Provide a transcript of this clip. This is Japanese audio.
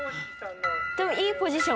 でもいいポジション。